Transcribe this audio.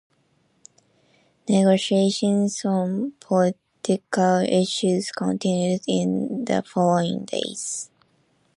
Negotiations on political issues continued in the following days.